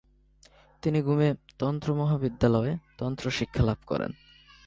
তিনি গ্যুমে তন্ত্র মহাবিদ্যালয়ে তন্ত্র শিক্ষালাভ করেন।